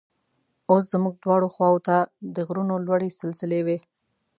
اوس زموږ دواړو خواو ته د غرونو لوړې سلسلې وې.